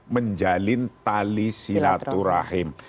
menjalin tali silaturahim